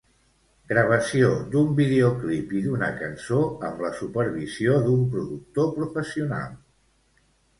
Gravació d'un videoclip i d'una cançó, amb la supervisió d'un productor professional.